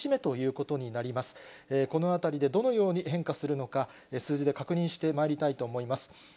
このあたりでどのように変化するのか、数字で確認してまいりたいと思います。